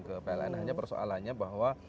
ke pln hanya persoalannya bahwa